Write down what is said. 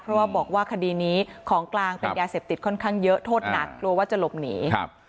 เพราะว่าบอกว่าคดีนี้ของกลางเป็นยาเสพติดค่อนข้างเยอะโทษหนักกลัวว่าจะหลบหนีครับ